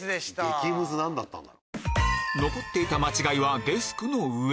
激ムズ何だったんだ？